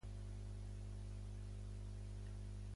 Gordon va néixer i créixer a Dover, Delaware.